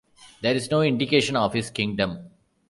There is no indication of his kingdom.